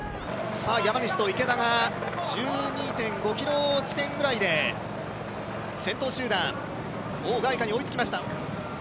山西と池田が１２．５ｋｍ地点ぐらいで先頭集団オウ・ガイカに追いつきました。